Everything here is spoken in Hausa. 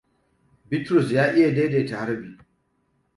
Bitrus ya iya dai daita harbi.